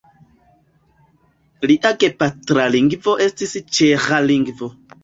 Lia gepatra lingvo estis ĉeĥa lingvo.